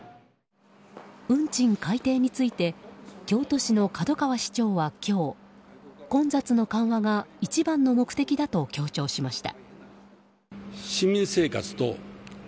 運賃改定について京都市の門川市長は今日、混雑の緩和が一番の目的だと強調しました。